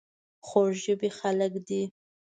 خوږ ژبې خلک دي .